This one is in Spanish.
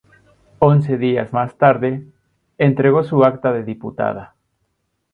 Once días más tarde, entregó su acta de diputada.